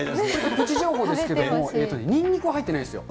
プチ情報ですけれども、ニンニクが入っていないんですよ。